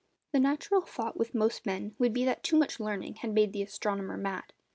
The natural thought with most men would be that 'too much learning' had made the astronomer mad.